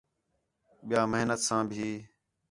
ٻِیا محنت ساں بھی